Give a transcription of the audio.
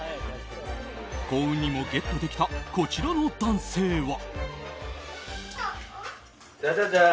幸運にもゲットできたこちらの男性は。